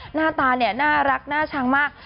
หน้าตาน่ารักหน้าช้างมาก